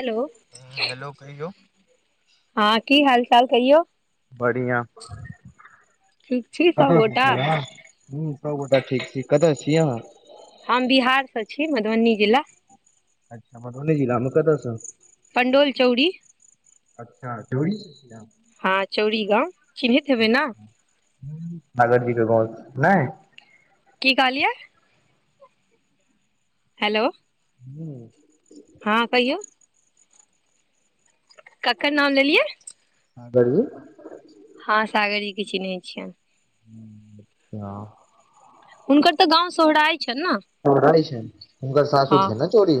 हलो। हुं हेलो कहियौ। हँ की हाल चाल कहियौ। बढ़िआ, ठीक छी कत से सभगोटा छी अहां। हुं सब गोटा ठीक छी कत छी अहाँ हम बिहार सं छी मधुबनी जिला अच्छा मधबनी जिलामे कत स पंडौल चौरी अच्छा चौरी सँ छी अहाँ हँ चौरी गाम चिन्हैत हेबै न हुं सागरजी के बाद नै की कहलियै हेलो हेलो हँ कहियौ ककर नाम लेलियै हँ बरी हँ, सागर जी के चिन्हैत छियै हु हं हुनकर तऽ गाम सोहराइ छन्हि ने सोहराइ छन्हि, हुनकर सासुर हँ छन्हि ने चौरी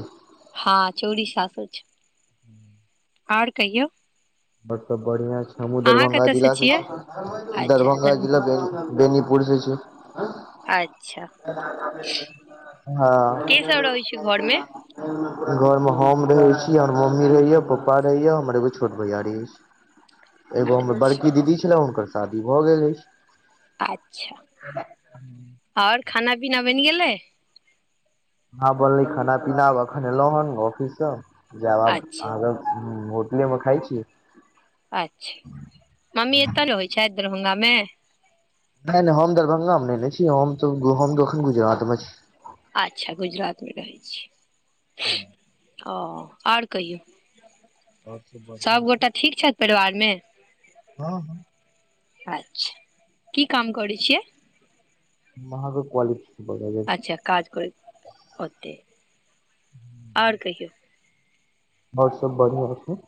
हँ, चौरी सासुर छन्हि ओर कहियौ बत त बढ़िया छी हमहुं अहाँ दरभंगा कतऽ से जिला सं छियै छी अच्छा दरभंगा धन जिला बेगु बेनीपुुर सं छी अच्छा हँ के सब रहै छै घरमे [unintelligible] घर मे हम रहै छी आर मम्मी रहैया पापा रहैया हमर एगो छोट भैयारी अछि एगो हमर अच्छा बड़की दीदी छलै हुनकर शादी भा गेल अछि अच्छा आओर खाना पीना बनि गेलै हं बनलै खाना पीना आब अखन एलहुँ हन ऑफिससं जाएब अच्छा आब अहाँके हुं होटलेमे खाइ छी अच्छा मम्मी एत रहै छथि दरभंगा मे नै नै हम दरभंगामे नै रहै छी हम त हम त एखन गुजरातमे छी अच्छा गुजरातमे रहै छी ओ आओर कहियौ आओर सब बढ़िआँ छै सभगोटा ठीक छथि परिवारमे हँ हँ अच्छा की काम करै छियै महाक क्वाली [unintelligible] अच्छा काज करैत ओतै आओर कहियौ ओर सब बढ़िया छै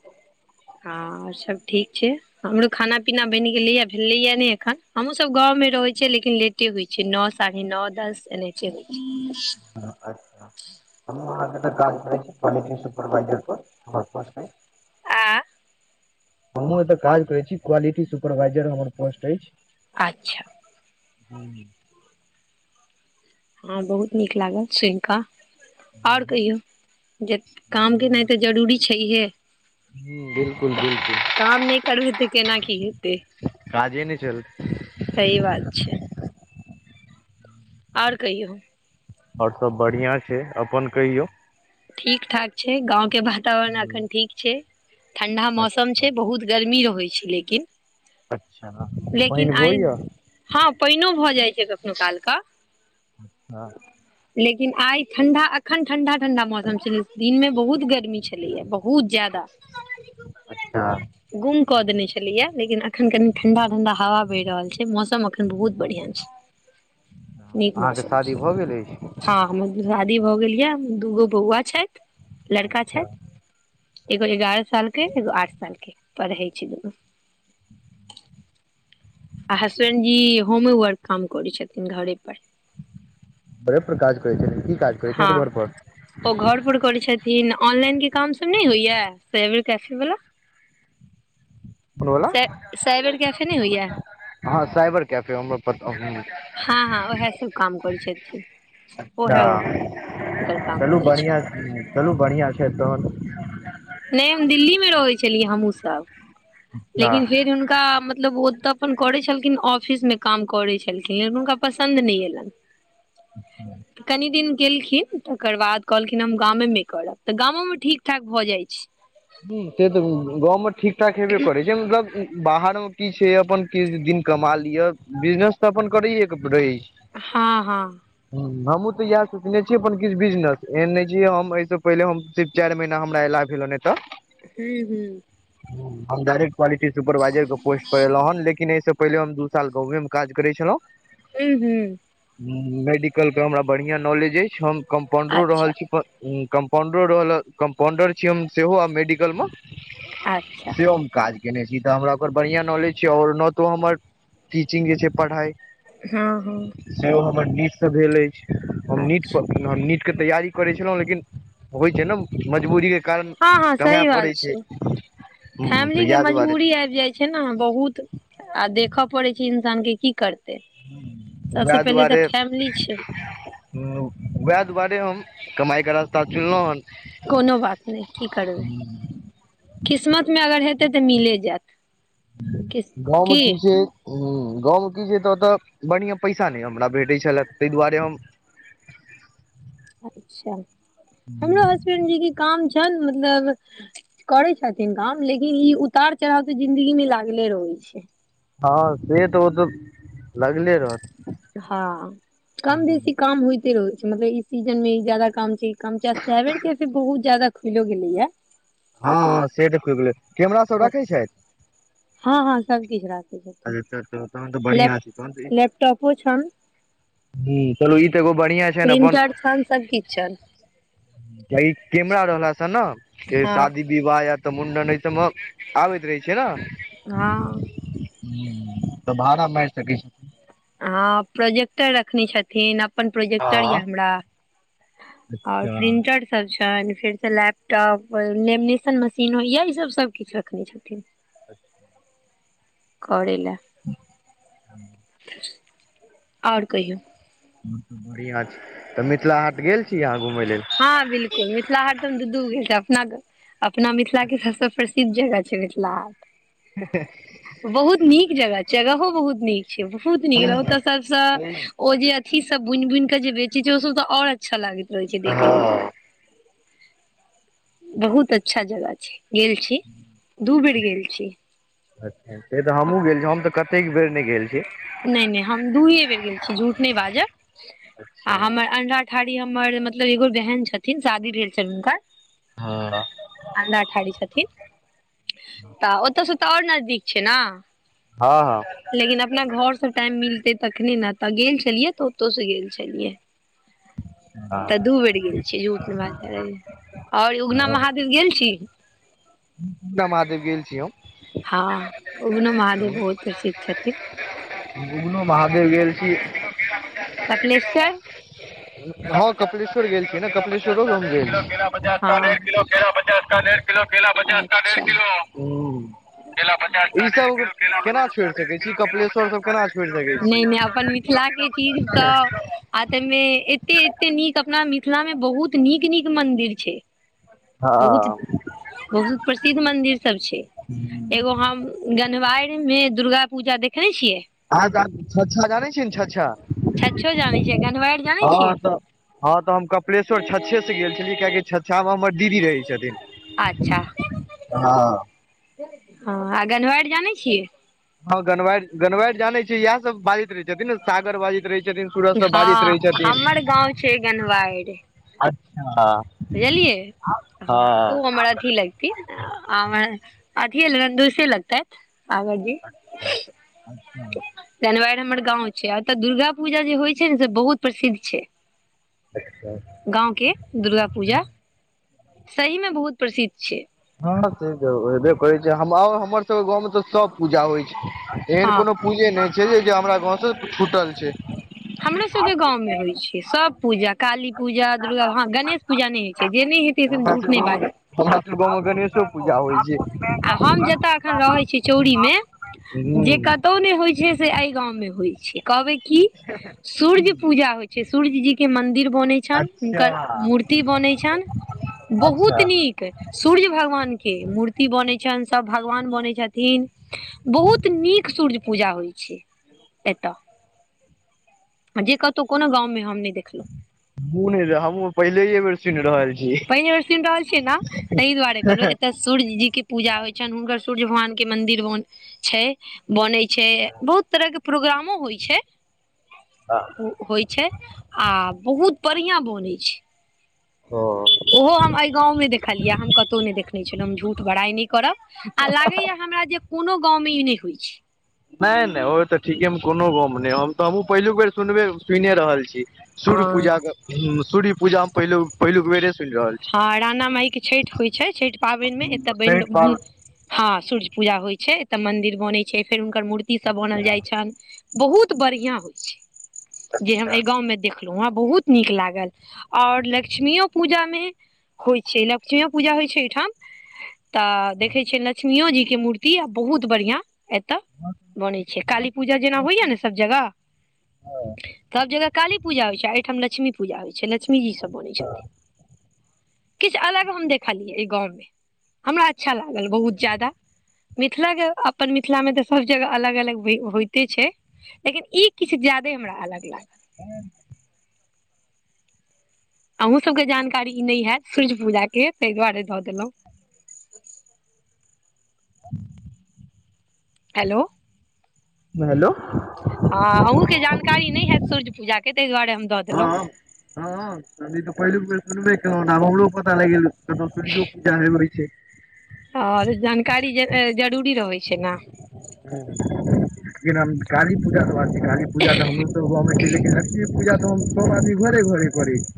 हँ और सब ठीक छै हमरो खाना पीना बनि गेलैए भेलेैया नै एखन हमहुँ सभ गाँव मे रहै छियै लेकिन लेट की होइची छै नओ साढ़े नओ दस यँहाते होये छै अच्छा हम अहाँके त काम करै छी क्वालिटी सुपरवाइजर पर हमर पोस्ट अछि आ हमहूँ एत काज करै छी क्वालिटी सुपरवाइजर हमर पोस्ट अछि अच्छा हू हँ बहुत नीक लागल सुन कऽ ओर कहियौ जे काम केना तऽ जरूरी छैहे हम्म बिलकुल। क-काम नहि करबिही तऽ केना की हेतै? काजे नैय चल सही बात छै। और कहियौ? और सब बढ़ियां छै। अपन कहियौ? ठीक ठाक छै, गांव के वातावरण ह अखन ठीक छै, ठंडा मौसम अच्छा छै। बहुत गर्मी रहै छै लेकिन। अच्छा, लेकिन पईन आइ होई याऽ? हँ, पईनो भऽ जाइ छै कखनो काल क। हँ लेकिन आइ ठंडा, अखन ठंडा ठंडा मौस म छलै, दिन मे बहुत गर्मी छलैया, बहुत जादा। हं। गुम कऽ देने छलैय याऽ लेकिन अखन कनि ठंडा ठंडा हवा बैह रहल छै, मौसम अक् अखन बहुत बढ़िया छैय, नीक अहाँके मौसम शादी छैय। भऽ गेल अछि हँ, हमर शादी भऽ गेल यैऽ, दूगो बौआ छैथि, लड़का अच्छा छैथि। एगो एगारह साल के, एगो आठ साल के, पढ़ै छै दुनू। आ हसबेंड जी होमे वर्क काम करै छथिन घरे पर। बड़े पर काज करै छैत, की काज करै हँ छैत घर पर? ओ घर पर करै छथिन, ऑनलाइन के काम सब नहि होइया साइबर कैफे वला? कून बला? साइबर कैफे नहि होइया हँ, साइबर कैफे हमरो पता, हम्म। हँ हँ उएह सब काम करै छथिन अता, ओएह हुनकर काम चलू रहै छै बढ़िआं-चलू बढ़ियां छै तहन। नैय हम दिल्ली में रहै छलियै हमहुँ सब, हँ लेकिन ह फेर हुनका मतलब ओ तऽ अपन करै छलखिन ऑफिस मे काम करै छलखिन, लेकिन हुनका पसन्द नहि एलनि। ह कनी दिन गेलखिन, तकर बाद कहलखिन हम गामे मे करब, तऽ गामो में ठीक ठाक भऽ जाइ छै हम्म, से तऽ गाँवमे ठीकठाक हेबे करै छै मतलब बाहर मे की छै, अपन किछ दिन कमा लियऽ, बिजनेस तऽ अपन करैेये के प रहै छै। हँ-हँ। हम्म, हमहुँ तऽ यैह सोचने छीयै अपन किछु बिजनेस, एहेन नहि छीयै हम एहिस पहिले हम सिर्फ चारि महीना हमरा एला भेल नहि तऽ हू-हूँ। हम डायरेक्ट क्वालिटी सुपरवाईजर के पोस्ट पर एलौं हँ, लेकिन एहिस पहिले हम दू साल गांवै में काज करै छलौं। हू-हूँ। ह मेडिकलके हमरा बढ़िआँ नॉलेज अछि, हम कम्पाउंडरो अच्छा रहल छी। प-उम् कम्पाउंडरो रहल, कम्पाउंडर छीयै हम सेहो आब मेडिकल मऽ। अच्छा सेबम काज केने छी तऽ हमरा ओकर बढ़िआँ नॉलेज छै, और न तोऽ हमर टीचिंग जे छै परहाइ हँ-हँ। से ओ हमर नीट से भेल अछि। हम नीट प अच्छा न-नीट के तैयारी करै छलौं, लेकिन होइ छै न मजबूरी के कार हँ हँ कऽमैऽ सही पड़ै बात छै। ह्म्म, फैमिली त के यैह दुआरे। मजबूरी आबि जाइ छै न बहुत। आ देखऽ पड़ै छै इंसान के, की करतै? सबसे पहिले तऽ फैमिली छै। ह्म्म वएह दुआरे हम कमाइ के रास्ता चुनलहुं हन। कोनो बात नै, की करबै। किस्मत मे अगर हेतै तऽ मिले जात। गाँव में की छै ह्म्म गाँव में की छै त तऽ बढ़ियां पैसा नै हमरा भेटै छलए। त एहि दुआरे हम अच्छा। हमरो हसबैंड जी के काम छन मतलब करै छथिन काम लेकिन ई उतार चढ़ाव त जिंदगी मे लागले रहैत छै। हँ से तऽ ओ त लगले रहत। हँ कम बेसी काम होयते रहे छै। मतलब ई सीजन में ई जादा काम छै ई काम छै। सेवन केे बहुत ज्यादा खुलो गेलै य। हँ हं से त खुल गलइ। कैमरा सब रखै छैत। हँ हँ सबचीज राखै छथिन। अच्छा तहन तऽ बढ़िआँ लैप छै तहन लैपटॉपो छन। ह्म्म चलू ई त एगो बढ़िया छै न बन प्रिंटर छनि सबकिछु छनि किया कि कैमरा रहला स न के हँ शादी विवाह या तऽ मुंडन एहि सब म आबैत रहै छै न। हँ त भारा मार सकैत छै हँ प्रोजेक्टर रखनी छथिन। अ अपन प्रोजेक्टर ये हँ हमरा और प्रिंटर सब छन। फिर सँ लैपटॉप, लेमिनेशन मशीन होइए, ई सब सबकिछु रखने छथिन। करे ले। [inaudible] आओर कहियौ। बढ़िआँ छै। तऽ मिथिला हाट गेल छी अहाँ घुमय लेल? हां बिलकुल। मिथिला हाट त हम दू दू गेल छीए। अपना घर अपना मिथिला के सबसँ प्रसिद्ध जगह छै मिथिला हाट। ह ह बहुत नीक जगह छै। जगहो बहुत नीक छै। बहुत नीक। ओतऽ सबसँ ओ जे अथी सब बुनि बुन के जे बेची जो वो ओ सब तऽ आओर अच्छा लागैत रहै छै देखऽ में बहुत अच्छा जगह छै। गेल छी। दू बेरी गेल छी। अच्छा। से तऽ हमहुँ गेल छी। हम तऽ कतेक बेर नै गेल छी। नै नै हम दूए बेर गेल छी। झूठ नहि बाजब। अच्छा आ हमर अन्रा ठारी हमर मतलब एगो बहन छथिन। शादी भेल छल हुनकर। हँ। अन्रा ठारी छथिन। तऽ ओतय से तऽ आओर नजदीक छै न। हँ हँ। लेकिन अपना घरसँ टाइम मिलतै तखनी न। तऽ गेल छलियै तऽ ओतौ से गेल छलियै। तऽ दू बेर गेल छी। झूठ ने बाज़ब। आओर उगना महाद गेल छी? उगना महादेव गेल छीय हम। हँ उगना महादेव बहुत प्रसिद्ध छथिन। उगनो महादेव गेल छी। कपिलेश्वर? हँ कपिलेश्वर गेल छीय न। कपिलेश्वरो हम गेल छीए। केला पचास हँ का डेढ़ अच्छा किलो। ई सब केना छोड़ि सकै छी, कपिलेश्वर सब केना छोड़ि सकै छी? नहि नहि अपन मिथिला के चीज तऽ आ तय मे एते-एते नीक अपना मिथिला में बहुत नीक-नीक मंदिर छै। आ बहुत हँ बहुत प्रसिद्ध मंदिर सब छै। एगो हम जनवारि मे दुर्गा पूजा देखने छियै। आगां छ्छा जानै छियै ने छ्छा। छछो जानै छियै, गन्हवाएड़ जानय हँ छियै? तऽ हँ तऽ हम कपिलेश्वर छच्छे से गेल छलियै कियाकि छ्च्छा मे हमर दीदी रहै अच्छा छथिन। हँ। हँ आ गन्हवाएर जानै छियै? हँ गन्हवारि गन्हवारि जानै छी इएह सब बाजैत रहै छथिन ने सागर बाजैत रहै छै हँ हमर गाँंव छै गन्हवाएर। अच्छा बुझलियै, हँ ओ हमरा अथी लग थिन, आ ओ अथिये ननदोइसे लगतैथ सागरजी। अच्छा गनवारि हमर गाँंव छै, आ ओतय दुर्गा पूजा जे होइ छै ने से बहुत प्रसिद्ध छै। अच्छा गाँंव के दुर्गा पूजा सही मे बहुत प्रसिद्ध छै। हँ सेतऽ होईबे कऽरै छै। आ हमर सबके गाँव में तऽ सब पूजा होइ छै, एहन हँ कोनो पूजे नहि छै जे जे हमरा गाँव से छुटल छै। हमरो सबके गाँंव में होइ छै सब पूजा काली पूजा दुर्गा हॅं गणेश पूजा नहि होइ छै जे नहि हो हमरा सब गांव मे हमरा सबके गांव मे गणेशो पूजा होइ छै। आ हम जतय एखन रहैत छीय चौरी मे जे हुँ कतौ नहि होइत छै से एहि गाँंव मे होइ छै, कहबै की सूर्य पूजा होइ छै। सूर्य जी के मंदिर बऽनै छै। छनि हुनकर मूर्ति बनै छनि बहुत नीक सूर्य भगवान के मूर्ति बनै छनि सभ भगवान बनै छथिन बहुत नीक सूर्य पूजा होइ छै। एतऽ जे कतहुॅं कोनो गाँव में हम नहि देखलहुँं। हमहुँ नहि हमहुँ पहिलये बेर सुनि रहल छी पहिल बेर सुनि रहल छियै नेॅं ताहि दुआरे कहलहुँ एता सूर्य जी के पूजा होइ छनि हुनकर सूर्य भगवान के मंदिर बनऽ छै बऽनय छै। छै। बहुत तरहके प्रोग्रामो होइ छै। हँ होइ छै, आ बहुत बढ़ियाॅं बऽनै ओ छै। ओहो हम अहि गाँवमे देखलियै हम कतहुॅं नहि देखने छलहुँ हम झूठ बड़ाई नहि करब। आ लागैये हमरा जे कोॅंनो गाँवमें ई नहि होइ छै। नहि नहि ओ तऽ ठीकेमे कोनो गाॅंव में नहि, हम तऽ हमहूँ पहिलुक बेर सुनबे सुइने रहल छी। सूर्य हँ पूजा के सूर्य पूजा मे पहिल पहिलुक बेरे सुनि रहल छी। हँ राणा माइके छठि होइ छै। छठि पाबनिमे एतय बनि हँ सूर्य पूजा होइ छै एतऽ मन्दिर बनैत छै फेर हुनकर मूर्ति सभ बऽनल जाइ छन्हि। बहुत बढ़िआँ होइत छै। जे हम एहि गाँवमे देख देखलहु हं बहुत नीक लागल, आऔर लक्ष्मीओ पूजा में होइ छै। लक्ष्मीओ पूजा होइ छै एहिठाम तऽ देखै छियै लक्ष्मियो जी के मूर्ति आ बहुत बढ़िआं एतय बनैत छै, काली पूजा जेना होइया ने सभ जगह सब जगह काली पूजा होइत छै एहिठाम लक्ष्मी पूजा होइत छै लक्ष्मीजीसभ बनैत छथिन। किछ अलग हम देखलियै एहि गाँव मे हमरा अच्छा लागल बहुत जादा मिथिला के अपन मिथिला मे तऽ सब जगह अलग अलग होइते छै। लेकिन ई किछु ज्यदे हमरा अलग लागल। ह अहूँ सबके जानकारी नई हयत सूर्य पूजा के ताहि दुआरे दऽ देलहुँ। हेलो! हेलो! हँ अहूँके जानकारी नहि हयत सूर्य पूजा के ताहि दुआरे हम दऽ देलहुँ। त ई तऽ पहिलुक बेर सुनबे केलहु आब हमरो पता लागि गेल क सूर्यो पूजा होइ छै। हां ते जानकारी जरूरी रहै छै ने। ह जेना काली पूजा त बात छै काली पूजा तऽ हमरोसभ हु छै लेकिन ल [unintelligible] ई पूजा त सब आदमी घर घर करे छै।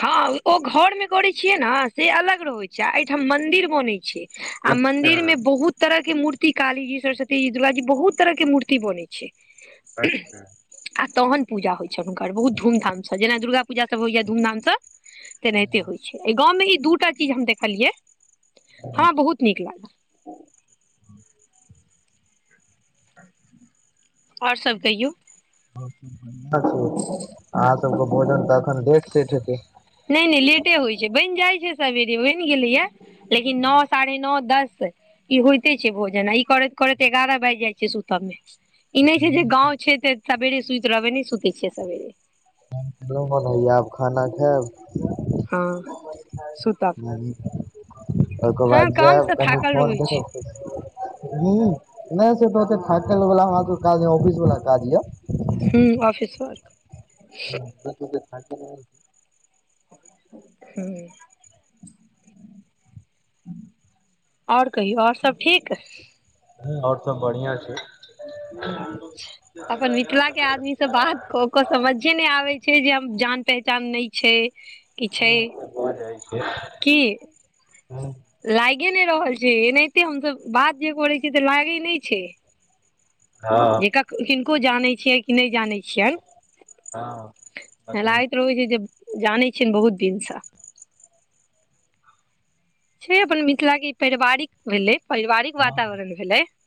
हँ ओ घर मे करै छियै ने से अलग रहैत छै आ एहिठाम मन्दिर बनैत छै। आ मन्दिर मे बहुत तरह के मूर्ति काली जी सरस्वती जी दुर्गा जी बहुत तरह के मूर्ति बनै छै। [unintelligible] आ तहन पूजा होइ छ हुनकर बहुत धूधाम से जेना दुर्गापुजा सब होइया धूध धाम से। तेनाहिते होइत छै एहि गाँवमे ई दूटा चीज हम देखलियै हमरा बहुत नीक लागल। अ [inaudible] आओर सब कहियौ। बढ़िआं छै अहाँ सबके भोजन तऽ अखन लेट सेट हेतै। नहि नहि लेटे होइत छै, बनि जाइत छै सेबेरे बनि गेलैया। लेकिन नौ, साढ़े नौ, दस। ई होइते छै भोजन आ ई करैत करैत एगारह बाजि जाइत छै सुतब मे। ई नहि छै जे गाँं छै तऽ सबवेरे सुति रहबे नहि सुते छियै सबेरे। [unintelligible] आब खाना खेब। हँ सुता। ओके बाद जायब कनि फोन छै देखब। ह नहि से तऽते थाकल वाला हमरा सब काज य ऑफिस वाला काज य। हूँ ऑफिस वर्क। ह [inaudible] हू आओर कहियो आओर सब ठीक। आओर सब बढ़िया छै। अच्छा अपन मिथिला के आदमी से बात क के समझे नहि आबे छै जे हम जान पहचान नहि छै। कि छै ह भ जाइ छै की ह लागे नहि रहल छै एनाहिते हमसभ बात जे करै छीयै तऽ लागे नहि छै। जे कक किनको जानै छियै कि नहि जानै छियनि। ह लागैत रहै छै जे जानैत छियै बहुत दिनसँ। छै अपन मिथिला के पारिवारिक भेले पारिवारिक वातावरण भेले।